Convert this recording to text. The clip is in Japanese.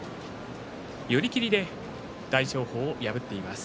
寄り切りで大翔鵬を破っています。